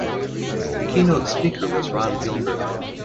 The keynote speaker was Ron Gilbert.